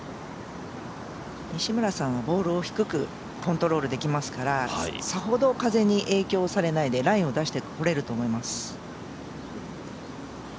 西村さん、ボールを低くコントロールできますのでさほど風に影響されないで、ラインを出してこれると思います。